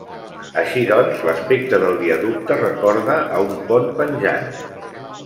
Així doncs, l'aspecte del viaducte recorda a un pont penjant.